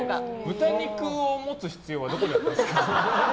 豚肉を持つ必要はどこにあるんですか？